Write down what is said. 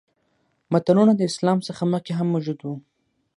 متلونه د اسلام څخه مخکې هم موجود وو